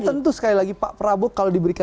tentu sekali lagi pak prabowo kalau diberikan